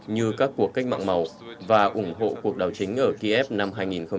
như các cuộc cách mạng màu và ủng hộ cuộc đảo chính ở kiev năm hai nghìn một mươi chín